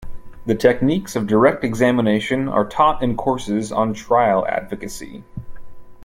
The techniques of direct examination are taught in courses on trial advocacy.